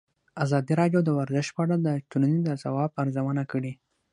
ازادي راډیو د ورزش په اړه د ټولنې د ځواب ارزونه کړې.